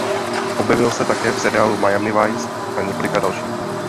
Objevil se také v seriálu Miami Vice a několika dalších.